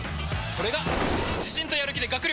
それが自信とやる気で学力